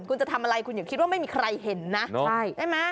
คุณจะทำอะไรคุณอย่าคิดว่าไม่มีใครเห็นนะใช่ไหม